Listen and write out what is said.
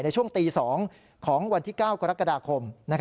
ในช่วงตี๒ของวันที่๙กรกฎาคม